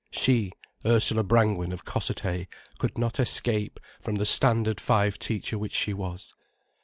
She, Ursula Brangwen of Cossethay, could not escape from the Standard Five teacher which she was.